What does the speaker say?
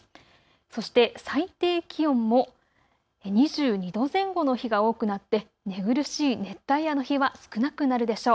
そして最低気温も２２度前後の日が多くなって、寝苦しい熱帯夜の日は少なくなるでしょう。